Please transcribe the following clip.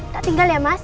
gak tinggal ya mas